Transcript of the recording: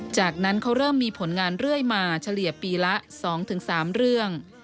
จากนั้นเขาเริ่มมีผลงานเรื่อยมาเฉลี่ยปีละ๒๓เรื่อง